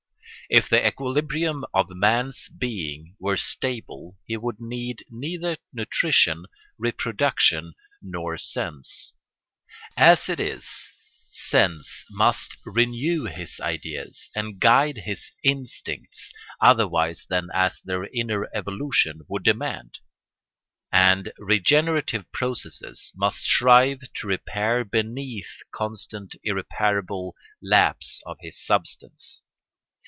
If the equilibrium of man's being were stable he would need neither nutrition, reproduction, nor sense. As it is, sense must renew his ideas and guide his instincts otherwise than as their inner evolution would demand; and regenerative processes must strive to repair beneath the constant irreparable lapse of his substance.